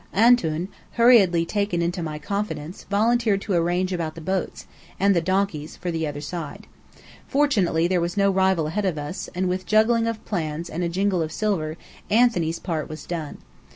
"Antoun," hurriedly taken into my confidence, volunteered to arrange about the boats, and the donkeys for the other side. Fortunately there was no rival ahead of us; and with juggling of plans and jingle of silver, Anthony's part was done.